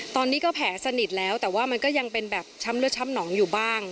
ตอนนี้ก็แผลสนิทแล้วแต่ว่ามันก็ยังเป็นแบบช้ำเลือดช้ำหนองอยู่บ้าง